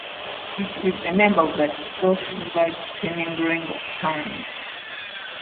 It is a member of the Douzelage twinning ring of towns.